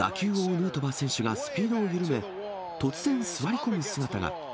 ヌートバー選手がスピードを緩め、突然座り込む姿が。